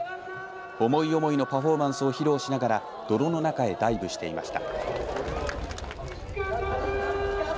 思い思いのパフォーマンスを披露しながら泥の中へダイブしていました。